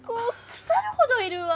腐るほどいるわ。